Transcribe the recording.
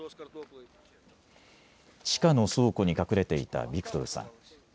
地下の倉庫に隠れていたビクトルさん。